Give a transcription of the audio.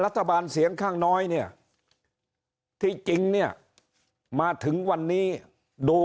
รัฐบาลเสียงข้างน้อยเนี่ยที่จริงเนี่ยมาถึงวันนี้ดู